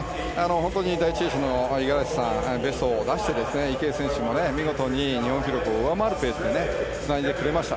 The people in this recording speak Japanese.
本当に第１泳者の五十嵐さんがベストを出して池江選手も見事に日本記録を上回るペースでつないでくれました。